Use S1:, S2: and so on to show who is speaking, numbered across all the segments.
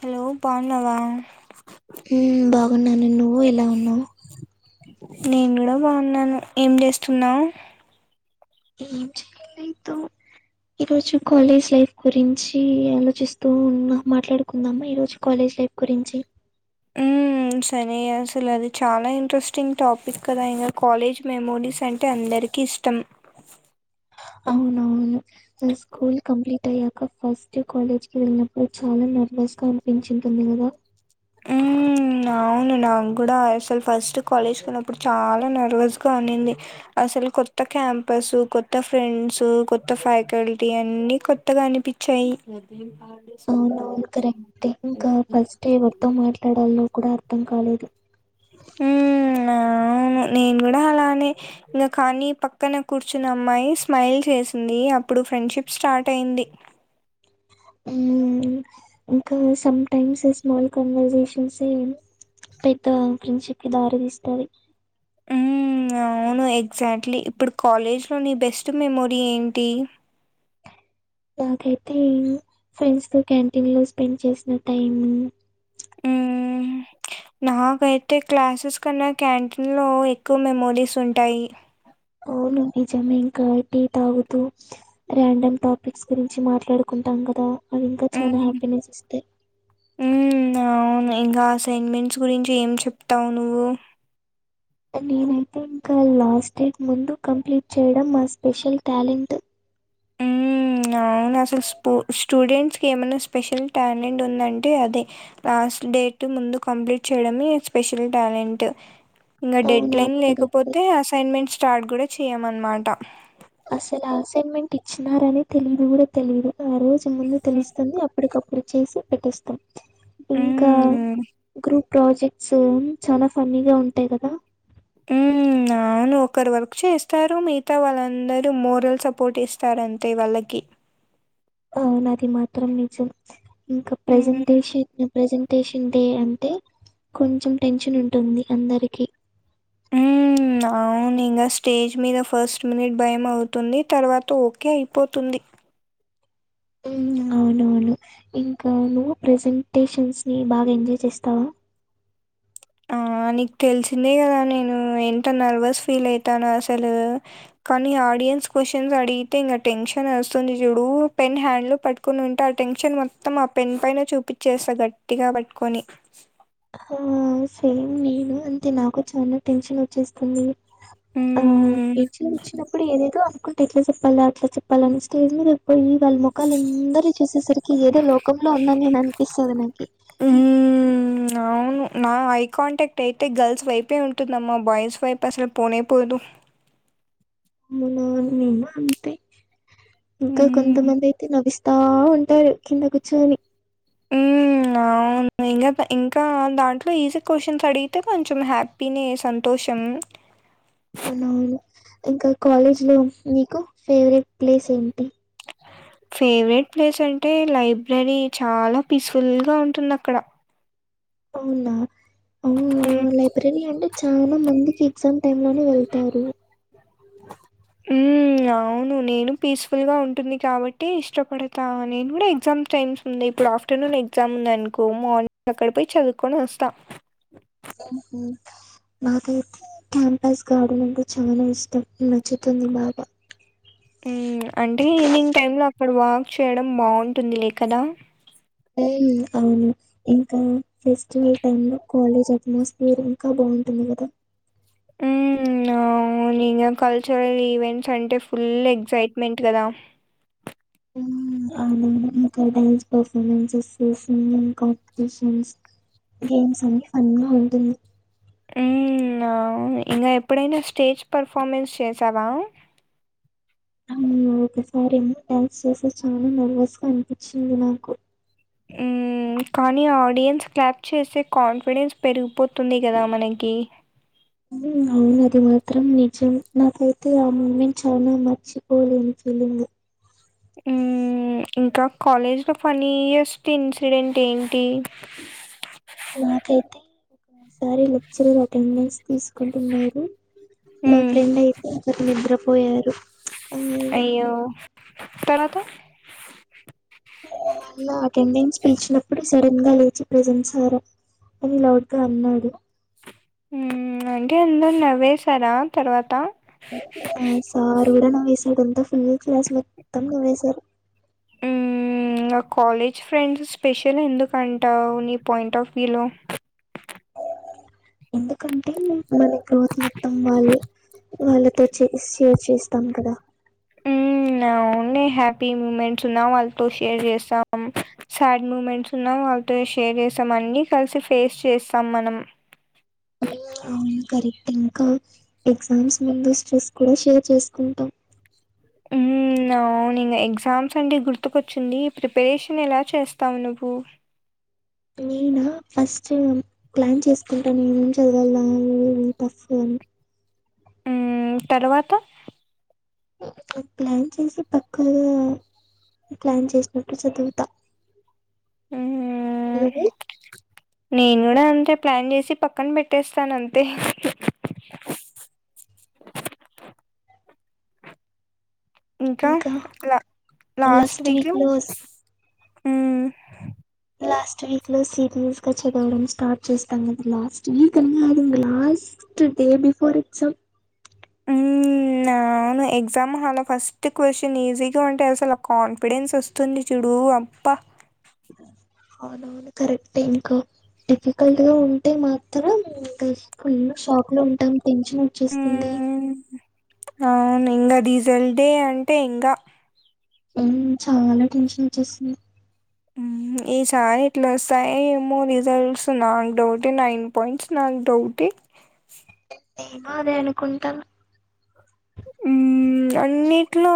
S1: Hello బాన్నావా
S2: లేవన్నవ్వు
S1: నేను కూడా బావున్నాను ఏం చేస్తున్నావ్
S2: ఏం చెయ్యలేదు ఈ రోజు కాలేజ్ లైఫ్ గురించి ఆలోచిస్తూ ఉన్న మాట్లాడుకుందామా ఈ రోజు కాలేజ్ షెప్ గురించి
S1: సరే అసలు అది చాలా ఇంట్రెస్టింగ్ టాపిక్ కదా అయిన కాలేజ్ మెమోరీస్ అంటే అందరి రికి ఇష్టం
S2: అవునవును స్కూల్ కంప్లీట్ ట్ అయ్యాక ఫస్ట్ కాలేజ్ కి వెళ్ళినప్పుడు చాలా నెర్వస్ గా అనిపించి ఉంటుంది కదా
S1: మ్మ్, అవును నాకు గూడా అసలు ఫస్ట్ కాలేజ్కి వెళ్ళిన్నప్పుడు చాలా నెర్వస్గ ఉన్నింది అ అసలు కొత్త క్యాంపస్ కొత్త ఫ్రెండ్స్ కొత్త ఫ్యాకల్టీ అన్ని కొత్తగా అనిపించి చెయ్
S2: అవునవును కరెక్టే ఇంక ఫస్ట్ మొత్తం మా ట్లడాలో కూడా అర్థం కాలేదు
S1: మ్మ్ అవును నేను కూడా అలానే ఇంకా కానీ పక్కన కూర్చున్న అమ్మాయి స్మైల్ చేసింది అప్పుడు ఫ్రెండ్షిప్ స్టార్ట్ అయింది
S2: మ్ ఇంకా సమ్ టైమ్స్ స్మాల్ కన్వర్సేషన్సే పెద్ద ఫ్రెండ్షిప్కి దారి తీస్తది
S1: మ్మ్ అవును ఎగ్జాక్ట్లీ ఇప్పుడు కాలేజ్లో నిబెస్ట్ మెమోరీ ఏంటి
S2: నాకైతే ఫ్రెండ్స్తో క్యాంటీన్లో స్పెండ్ చేసిన టైం
S1: మ్మ్ నాకైతే క్లాసెస్ కన్నా క్యాంటీన్లో ఎక్కువ మెమోరీస్ ఉంటాయి
S2: అవును నిజమే ఇంకా టీ తాగుతూ రేన్డమ్ టాపిక్స్ గురించి మాట్లాడుకు కుంటం కదా అవి ఇంకా చాలా
S1: అవును
S2: హ్యాపీనెస్ ఇస్తాయి
S1: మ్మ్ అవున్ ఇంకా అసైన్మెంట్స్ గురించి ఏం చెప్తావు నువ్వు
S2: నేనైతే ఇంకా లాస్ట్ డేకి ముందు కంప్లీట్ చేయడం మా స్పెషల్ టాలెంట్ [inaudible]
S1: మ్ అవును అసలు స్పు స్టూడెంట్స్కి ఏమన్నా స్పెషల్ టాలెంట్ ఉందంటే అదే ఆ అస్సల్ డేట్ ముందు కంప్లీట్ చేయడమే స్పెషల్ టాలెంటు ఇంగ డెడ్
S2: అవునా
S1: లైన్
S2: కరెక్ట్
S1: లేకపోతే అసైన్మెంట్ స్టార్ట్ కూడా చేయమన్మాట.
S2: అసల అసైన్మెంట్ ఇచ్చినారని తెలీను గూడా తెలీదు. ఆ రోజు ముందు తెలుస్తుంది అప్పటికప్పుడు చేసి పెట్టేస్తాం ఇంకా
S1: మ్మ్.
S2: గ్రూప్ ప్రాజెక్ట్స్ చాలా ఫన్నీగా ఉంటాయ్ కదా
S1: మ్ అవును ఒకరు వర్క్ చేస్తారు మిగతా వాళ్ళందరు మోరల్ సపోర్ట్ ఇస్తారు అంతే వాళ్ళకి.
S2: అవును అది మాత్రం నిజం ఇంకా
S1: మ్మ్.
S2: ప్రెజెంటేషను ప్రెజెంటేషన్డే అంటే కొంచెం టెన్షన్ ఉంటుంది అందరికి.
S1: మ్మ్ అవును ఇంకా స్టేజ్ మీద ఫస్ట్ మినిట్ భయం అవుతుంది తర్వాత ఓకే అయిపోతు
S2: [inaudible] ఉ అవునవును ఇంకా నువ్వు ప్రెసెంటేషన్స్ ని బాగ ఎంజాయ్ చేస్తావ
S1: ఆ
S2: [inaudible]
S1: నీకు తెలిసిందే కదా నేను ఎంత నర్వస్ ఫీల్ అవుతాను అసలు కానీ ఆడియన్స్ క్వశ్చన్స్ అడిగితే ఇంగ టెన్షన్ వస్తుంది చూడు పెన్ హ్యాండ్ లో పట్టుకుని ఉంటే ఆ టెన్షన్ మొ మొత్తం ఆ పెన్ పైన చూపిచ్చేస్త గట్టిగా పట్టుకొని
S2: ఆ సేమ్ నేను అంతే నాకు చాన టెన్షన్ వచ్చేస్తుంది
S1: మ్మ్.
S2: [unintelligible] ఏదేదో అంటే ఎట్ల చెప్పాల అట్లా చెప్పాలని స్టేజ్ మీద కి పోయి వాళ్ళ ముఖాలు అందరు చూసేసరికి ఏదో లోకంలో ఉన్నాని నేను అనిపిస్తది నాకి
S1: మ్మ్.
S2: [inaudible]
S1: అవును నా ఐ కాంటాక్ట్ అయితే గర్ల్స్ వైపే ఉంటుందమ్మా బాయ్స్ వైపు అసలు పోనే పోదు
S2: [inaudible] అవున నేమ అంతే ఇంకా
S1: మ్మ్.
S2: కొంతమంది అయితే నవ్విస్తా ఉంటారు కింద కూర్చొని
S1: మ్మ్. అవును ఇంకా ఇంకా దాంట్లో ఈజీ క్వశ్చన్స్ అడిగితే కొంచెం హ్యాపీనేె సంతో షం
S2: అవునవును ఇంకా కాలేజ్ లో మీకు ఫేవరెట్ ప్లేస్ ఏంటీ
S1: ఫేవరెట్ ప్లేస్ అంటే లైబ్రరీ చాల పీస్ఫుల్గా ఉంటుంది అక్కడ
S2: అవున
S1: హ్మ్.
S2: చాన మంది ఎగ్జామ్ టైమ్ లోనే వెళ్తారు
S1: అవును నేను పీస్ఫుల్ గా ఉంటుంది కాబట్టి ఇష్టపడత నేను కూడ ఎగ్జామ్ టైమ్స్ ఉంది ఇప్పుడు ఆఫ్టర్నూన్ ఎగ్జామ్ ఉంది అనుకో మార్నింగ్ అక్కడ పోయి చదువుకొని వస్త
S2: అ నాకైతే క్యాంపస్ గార్డెన్ అంటే చాలా ఇష్టం నచ్చుతుంది బాగ
S1: అంటే ఈవినింగ్ టైమ్ లో అక్కడ వాక్ చేయడం బాగుంటుంది లే కదా
S2: అవును ఇంకా ఫెస్టివల్ టైమ్ లో కాలేజ్ అట్మాస్ఫియర్ ఇంకా బాగుం [unintelligible]
S1: [unintelligible] కల్చరల్ ఈవెంట్స్ అంటే ఫుల్ ఎగ్సైట్మెంట్ కదా
S2: హు [unintelligible] ఇక dance performances singing competition games అన్నీ ఫన్గ ఉంటుంది
S1: ఇంగ ఎప్పుడైనా స్టేజ్ పర్ఫార్మెన్స్ చేసావ
S2: నేను ఒకసారిమో డ్యాన్స్ చేస చాలా నర్వస్ గా అనిపించింది నాకు
S1: ఆ కానీ ఆడియన్స్ క్లాప్ చేస్తే కాన్ఫిడెన్స్ పెరిగిపోతుంది కదా మనకి
S2: అవును అది మాత్రం నిజం నాకైతే ఆ మూమెంట్ చాల మర్చిపోలేని ఫీలింగ్ [inaudible]
S1: ఆ ఇంకా కాలేజ్లో ఫన్నిఎస్ట్ ఇన్సిడెంట్ ఏంటి
S2: నాకైతే ఒకసారి లెక్చరర్ అటెండెన్స్ తీసుకుంటున్నారు మా
S1: హ్మ్.
S2: ఫ్రెండ్ అయితే [unintelligible] నిద్రపోయారు
S1: అయ్యో తర్వాత
S2: నాకేం దించు పిలిచినప్పుడు సడన్గా లేచి ప్రెసెంట్ సార్ అని లౌడ్‌గా అన్నాడు
S1: ఉమ్మ్మ్ అంటే అందరూ నవ్వేేశారా తర్వాత
S2: ఆ సారు కూడా నవ్వేశాడు అంతా ఫుల్ క్లాస్ మొత్తం నవ్వేసారు. [inaudible]
S1: ఉమ్మ్ ఇంగ కాలేజ్ ఫ్రెండ్స్ స్పెషల్ ఎందుకుంటావు నీ పాయింట్ ఆఫ్ వ్యూలో
S2: ఎందుకంటే మన గ్రోత్ మొత్తం వాళ్ళు వాళ్ళతో చే షేర్ చేస్తాం కదా [inaudible]
S1: అవునే హ్యాపీ మూమెంట్స్ ఉన్నా వాళ్ళతో షేర్ చేస్తాం సాడ్ మూమెంట్స్ ఉన్నా వా తో షేర్ చేస్తాం అన్నీ కలిసి ఫేస్ చేస్తాం మనం
S2: అవును కరెక్ట్ ఇంకా ఎగ్జామ్స్ ముందు స్ట్రెస్ కూడా షేర్ చేసుకుంటాం. [inaudible] [inaudible]
S1: హ్మ్. అవును ఇంగా ఎగ్జామ్స్ అంటే గుర్తుకొచ్చింది ప్రిపరేషన్ ఎలా చేస్తావు నువ్వు
S2: నేనా ఫస్ట్ ప్లాన్ చేసుకుంటా నేను ఏం చదవల్లా ఏమేమి టఫ్ మ్మ్
S1: ఉమ్మ్ తర్వాత
S2: ప్లన్ చేసి పక్కగా ప్లాన్ చేసినట్టు చదువుతా
S1: హ్మ్. నేను కూడా అంతే ప్లాన్ చేసి పక్కన పెట్టేస్తాను అంతే
S2: [inaudible]
S1: ఇంకా ల లాస్ట్ వీక్లో
S2: వీక్ లో
S1: ఉమ్మ్
S2: లాస్ట్ వీక్లో సిరియస్గా చదవడం స్టార్ట్ చేస్తాం కదా లాస్ట్ వీక్ అని కాదు ఇంగ last day before exam
S1: ఉమ్మ్ నవును ఎగ్జామ్ హాల్లో ఫస్ట్ క్వశ్చన్ ఈజీగా ఉంటే అసలు ఆ కాన్ఫిడెన్స్ వస్తుంది చూ డు అబ్బా
S2: అ అవునవును కరెక్ట్ ఇంకా డిఫికల్ట్‌గా ఉంటే మాత్రం ఇంక స్కులో షాక్‌లో ఉంటాం టెన్షన్ వచ్చేస్తుంది
S1: హ్మ్. దండి అంటే ఇంకా
S2: ఉమ్మ్ చాలా టెన్షన్ వచ్చేస్తుంది
S1: హ్మ్. ఈసారి ఎట్లా వస్తాయో ఏమో రిజల్ట్స్ నాకు డౌటే నైన్ పాయింట్స్ నాకు డౌటే
S2: నేను అదే అనుకుంటనా
S1: ఉమ్మ్ అన్నిట్లో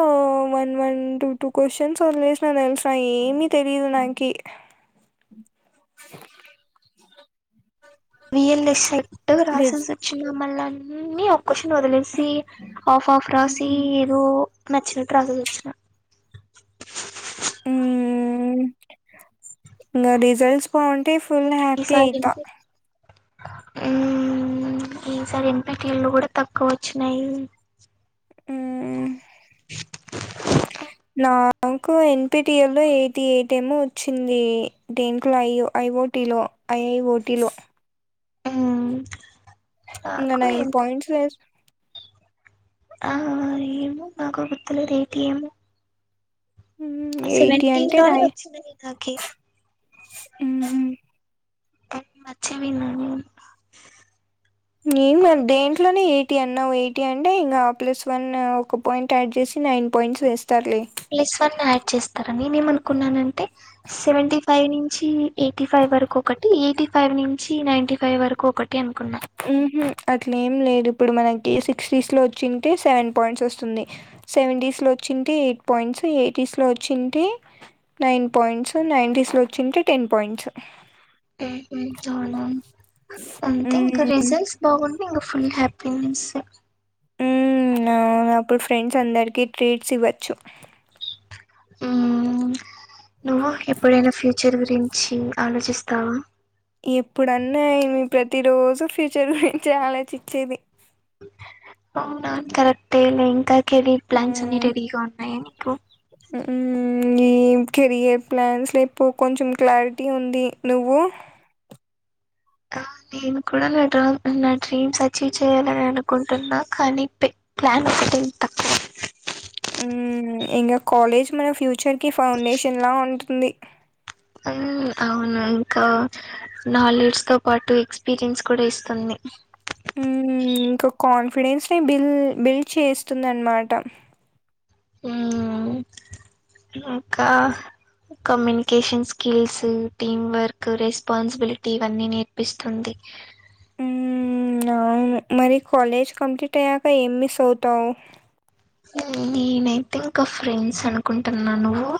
S1: one one two two questions వదిలేసిన తెలుసా ఏమి తెలీదు నాకి
S2: [inaudible] వియల్ఏ సేట్‌గా
S1: రిజ్
S2: రాసేసి వచ్చిన మళ్ళ అన్ని కోషన్ వదిలేసి ఆఫ్ ఆఫ్ రాసి
S1: హ్మ్.
S2: ఏదో నచ్చినట్టు రాసేసి వచ్చిన
S1: ఉమ్మ్మ్ ఇంగ రిజల్ట్స్ బాగుం టే ఫుల్ హ్యాపీ అయితా
S2: మ్మ్ ఈసారి ఎంతకేళ్ళొ గుడా తక్కువ వచ్చినాయి
S1: మ్మ్ నాకు ఎన్ పి టి ఎల్ లో ఎయిటి ఎయిట్ ఏమో వచ్చింది దేంట్లో ఐ వో ఐ వో టిలో ఐ ఐ ఓ టీలో
S2: ఆ
S1: ఇంగ నైన్ పాయింట్స్
S2: ఆ ఏమో నాకు గుర్తు లేదు ఎయిటీ ఏమో
S1: మ్మ్ ఎయిటీ
S2: సెవెంటీన్
S1: అంటే
S2: లోనే
S1: నై
S2: వచ్చింది నాకి మచ్చేవిన్నని
S1: నేన్ దేంట్లోనే ఎయిటీ అన్నావు ఎయిటీ అంటే ఇంగ ఆ ప్లస్ వన్ ఒక పాయింట్ యాడ్ చేస్ నైన్ పాయింట్స్ వేస్
S2: ప్లస్ వన్ యాడ్ చేస్తారని నేనేం అనుకున్నానంటే సెవెంటీ ఫైవ్ ఎయిటీ ఫైవ్ వరకొకటి ఎయిటీ ఫైవ్ నుంచి నైన్టీ ఫైవ్ వరకు ఒక
S1: ఊహు అట్లేం లేదు ఇప్పుడు మనకి సిక్స్టీస్లో వచ్చింటే సెవెన్ పాయింట్స్ వస్తుంది సెవెంటీస్లో వచ్చింటే ఎయిట్ పాయింట్స్ సో ఎయిటీస్లో వచ్చింటే నైన్ పాయింట్స్ నైన్ంటీస్లో వచ్చింటే టెన్ పాయింట్స్
S2: అంతే ఇంక
S1: ఉమ్
S2: రిజల్ట్స్ బాగుంటే ఇంక ఫుల్ హ్యా పౌన్స
S1: మ్మ్ అవును అప్పుడు ఫ్రెండ్స్ అందరికి ట్రీట్స్ ఇవ్వచ్చు
S2: నువ్ ఎప్పుడైనా ఫ్యు చర్ గురించి ఆలోచిస్తావా
S1: ఎప్పుడన్నా ఏమి ప్రతి రోజు ఫ్యూచర్ గురించే ఆలోచిచ్చేది
S2: అవునా కరెక్టేలే ఇంకా కెరీర్ ప్లాన్స్ అన్ని రెడీగా ఉన్నాయి
S1: మ్మ్ కెరియర్ ప్లాన్స్లో ఇప్పుడు కొంచెం క్లారిటీ ఉంది నువ్వు
S2: కా నేను కూడా నా డమ్ నా డ్రీమ్స్ అచీవ్ చేయ్యాలని అనుకుంటున్నా కానీ ప్లాన్ పెన్ ట
S1: మ్మ్ ఇంక కాలేజ్ మన ఫ్యూచర్ కి ఫౌండేషన్ లా ఉంటుంది
S2: అవు అవును ఇంకా నాలెడ్జ్ తో పాటు ఎక్స్పీరియన్స్ కూడా ఇస్తుంది
S1: మ్మ్ ఇంక కాన్ఫిడెన్స్ ని బిల్ బిల్డ్ చేస్తుందన్మాట
S2: మ్మ్ ఒకా communication skills team work responsibility ఇవన్నీ నేర్పిస్తుంది
S1: మ్మ్ అవును మరి కాలేజ్ కంప్లీట్ అయ్యాక ఏం మిస్ అవుతావ్
S2: నేనైతే ఇంక ఫ్రెండ్స్ అనుకుంటున్నా నువ్వు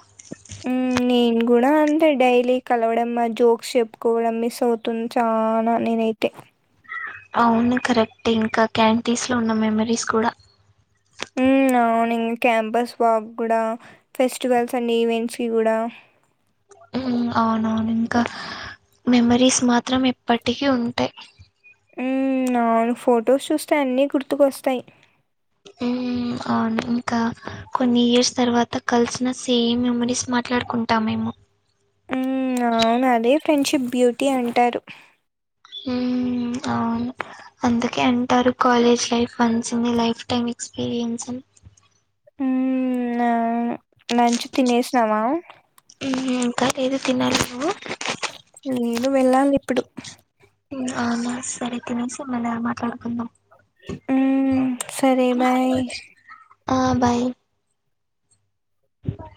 S1: మ్మ్ నేను గూడ అంతే డైలీ కలవడం మా జోక్స్ చెప్పుకోవడం మిస్ అవుతున్ చానా అయితే
S2: అవును కరెక్ట్ ఇంకా క్యాంటీన్స్ లో ఉన్న మెమరీస్ కూడా
S1: హ్మ్. అవును క్యాంపస్ వాక్ గుడ ఫెస్టివల్స్ అండ్ ఈవెంట్స్ కి గుడా
S2: అవునవును ఇంకా మెమరీస్ మాత్రం ఎప్పటికీ ఉంటాయి
S1: ఉ అవును ఫొటోస్ చూస్తే అన్ని గుర్తుకు వస్తాయి
S2: అ ఇంకా కొన్ని ఇయర్స్ తర్వాత కలిసిన సేమ్ మెమరీస్ మాట్లాడుకుంటా మేం ఆ
S1: అవును అదే ఫ్రెండ్షిప్ బ్యూటీ అంటారు
S2: అవును అందుకే అంటారు college life once in a lifetime experience
S1: ఉ లంచ్ తినేసినావా
S2: ఇంకా లేదు తినాలిమో
S1: నేను వెళ్ళాలి ఇప్పుడు
S2: అవునా సరే తినేసి మెల్లగా మాట్లాడు
S1: ఉమ్ సరే బాయ్
S2: ఆ బాయ్ బాయ్